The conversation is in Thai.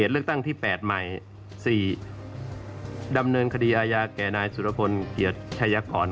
และดำเนินคดีอาญาแก่นายสุรพลเกียรติทัยยกร